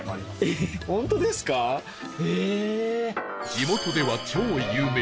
地元では超有名